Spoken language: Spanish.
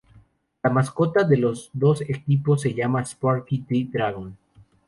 La mascota de los equipos se llama "Sparky D. Dragon".